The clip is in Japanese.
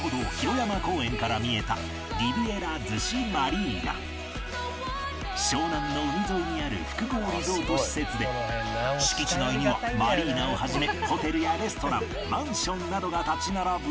先ほど湘南の海沿いにある複合リゾート施設で敷地内にはマリーナを始めホテルやレストランマンションなどが立ち並ぶが